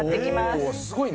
おすごいな。